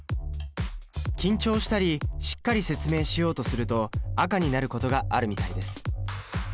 緊張したりしっかり説明しようとすると赤になることがあるみたいです！